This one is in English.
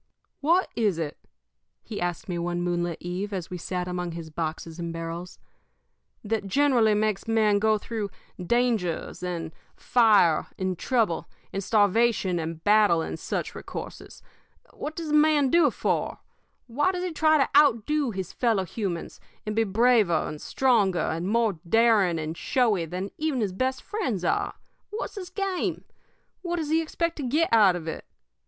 "What is it," he asked me one moonlit eve, as we sat among his boxes and barrels, "that generally makes men go through dangers, and fire, and trouble, and starvation, and battle, and such recourses? What does a man do it for? Why does he try to outdo his fellow humans, and be braver and stronger and more daring and showy than even his best friends are? What's his game? What does he expect to get out of it?